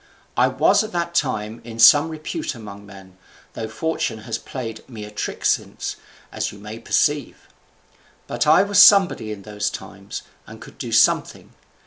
I was at that time in some repute among men, though fortune has played me a trick since, as you may perceive. But I was somebody in those times, and could do something.